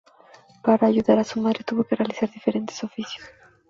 Para ayudar a su madre tuvo que realizar diferentes oficios.